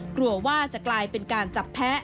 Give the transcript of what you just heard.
กลัวว่าจะกลายเป็นการจับแพ้